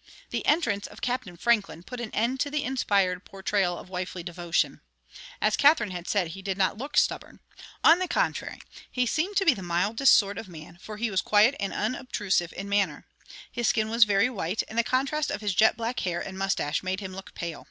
'" The entrance of Captain Franklin put an end to the inspired portrayal of wifely devotion. As Katherine had said, he did not look stubborn. On the contrary, he seemed to be the mildest sort of a man, for he was quiet and unobtrusive in manner. His skin was very white, and the contrast of his jet black hair and mustache made him look pale.